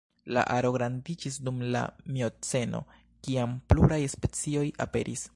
La aro grandiĝis dum la mioceno kiam pluraj specioj aperis.